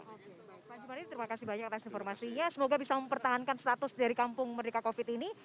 oke baik pak jumadi terima kasih banyak atas informasinya semoga bisa mempertahankan status dari kampung merdeka covid ini